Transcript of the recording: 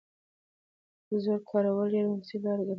د زور کارول يې وروستۍ لاره ګڼله.